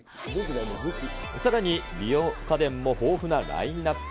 さらに、美容家電も豊富なラインアップ。